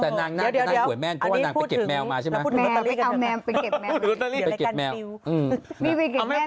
แต่นางนั่งหัวแม่งก็ว่านางไปเก็บแมวมาใช่ไหม